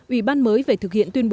ủy ban mới về thực hiện tuyên bố